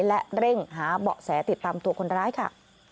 และเร่งหาเบาะแสติดตามตัวคนร้ายค่ะ